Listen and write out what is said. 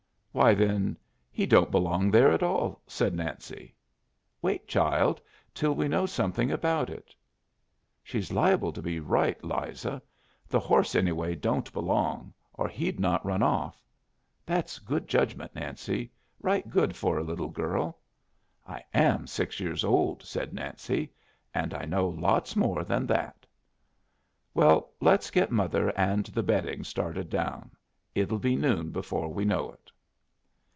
"Why, then, he don't belong there at all," said Nancy. "Wait, child, till we know something about it." "She's liable to be right, Liza. The horse, anyway, don't belong, or he'd not run off. That's good judgment, Nancy. Right good for a little girl." "I am six years old," said Nancy, "and I know lots more than that." "Well, let's get mother and the bedding started down. It'll be noon before we know it."